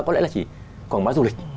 có lẽ là chỉ quảng báo du lịch